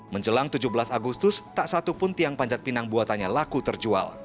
menjelang tujuh belas agustus tak satu pun tiang panjat pinang buatannya laku terjual